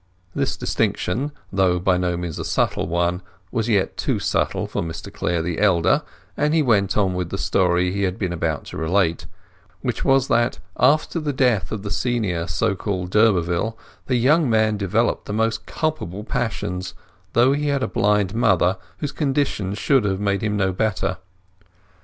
This distinction, though by no means a subtle one, was yet too subtle for Mr Clare the elder, and he went on with the story he had been about to relate; which was that after the death of the senior so called d'Urberville, the young man developed the most culpable passions, though he had a blind mother, whose condition should have made him know better.